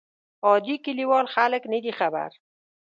عادي کلیوال خلک نه دي خبر.